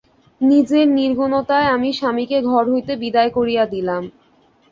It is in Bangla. নিজের নির্গুণতায় আমি স্বামীকে ঘর হইতে বিদায় করিয়া দিলাম?